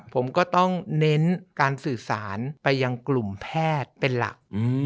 ผมก็ต้องเน้นการสื่อสารไปยังกลุ่มแพทย์เป็นหลัก